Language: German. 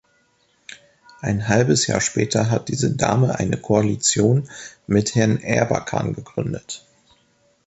Ein halbes Jahr später hat diese Dame eine Koalition mit Herrn Erbakan begründet.